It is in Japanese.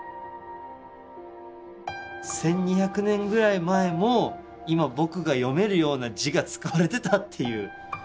１，２００年ぐらい前も今僕が読めるような字が使われてたっていう。